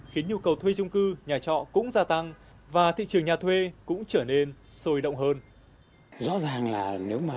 khiến nhu cầu thuê chung cư nhà trọ cũng gia tăng và thị trường nhà thuê cũng trở nên sôi động hơn